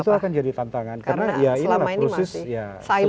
itu akan jadi tantangan karena ini proses ya